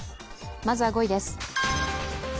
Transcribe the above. まずは５位です。